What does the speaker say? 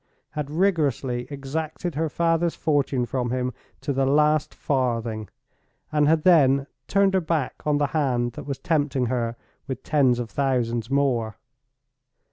—had rigorously exacted her father's fortune from him to the last farthing; and had then turned her back on the hand that was tempting her with tens of thousands more!